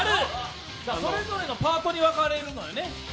それぞれのパートに分かれるのよね？